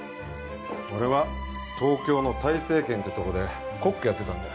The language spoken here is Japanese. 俺は東京の泰西軒ってとこでコックやってたんだよ